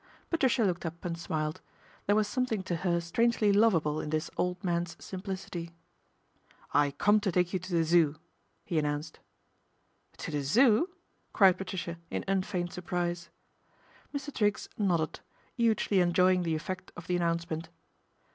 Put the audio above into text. Patricia looked up and smiled. There was something to her strangely lovable in this old man's simplicity. " I come to take you to the Zoo," he announced. ' To the Zoo ?" cried Patricia in unfeigned surprise. Mr. Triggs nodded, hugely enjoying the effect of the announcement.